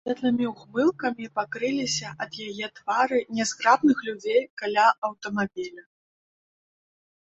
Светлымі ўхмылкамі пакрыліся ад яе твары нязграбных людзей каля аўтамабіля.